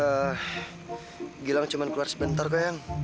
ya gilang cuma keluar sebentar kok yang